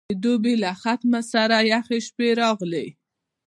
د دوبي له ختمه سره یخې شپې راغلې.